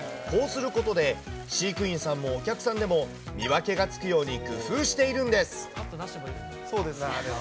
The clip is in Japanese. こうすることで、飼育員さんもお客さんでも見分けがつくように工夫しているんです。